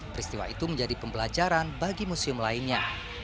peristiwa itu menjadi pembelajaran bagi museum lainnya